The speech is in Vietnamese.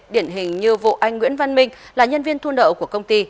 điển hình như vụ anh nguyễn văn minh là nhân viên thu nợ của công ty